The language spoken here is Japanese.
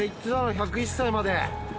１０１歳まで。